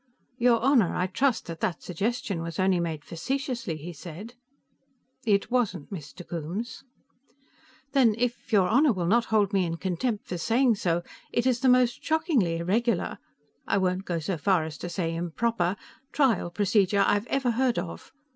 "Your Honor, I trust that that suggestion was only made facetiously," he said. "It wasn't, Mr. Coombes." "Then if your Honor will not hold me in contempt for saying so, it is the most shockingly irregular I won't go so far as to say improper trial procedure I've ever heard of.